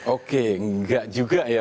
oke nggak juga ya